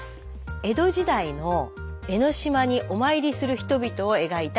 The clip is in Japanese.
江戸時代の江の島にお参りする人々を描いた絵です。